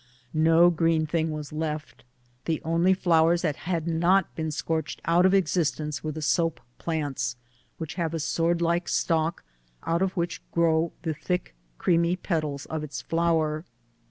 No green thing was left. The only flowers that had not been scorched out of existence were the soap plants, which have a sword like stalk, out of wliich grow the thick, creamy petals of its flower.